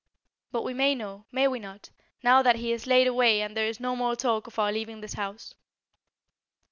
But we may know, may we not, now that he is laid away and there is no more talk of our leaving this house?"